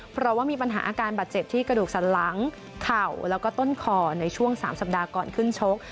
เพราะว่ามีปัญหาอาการบาดเจ็บที่กระดูกสันหลังเข่าแล้วก็ต้นคอในช่วง๓สัปดาห์ก่อนขึ้นชก